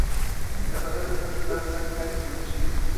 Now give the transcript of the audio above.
La fasado estas plata kaj simetria.